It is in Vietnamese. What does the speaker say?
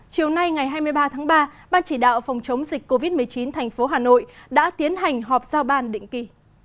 chiều nay ngày hai mươi ba tháng ba ban chỉ đạo phòng chống dịch covid một mươi chín thành phố hà nội đã tiến hành họp giao ban định kỳ